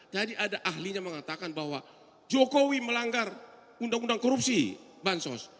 jadi ada ahlinya mengatakan bahwa jokowi melanggar undang undang korupsi bansos